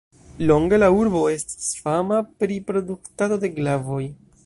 Longe la urbo estis fama pri produktado de glavoj.